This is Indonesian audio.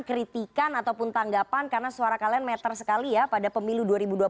kritikan ataupun tanggapan karena suara kalian meter sekali ya pada pemilu dua ribu dua puluh